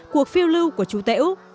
cuộc phiêu lưu của chú tễu